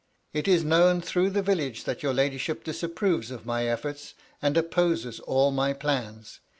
It is known through the village that your ladyship disapproves of my efforts, and opposes all my plans.